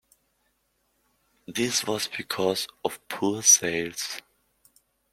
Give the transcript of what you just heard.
This was because of poor sales.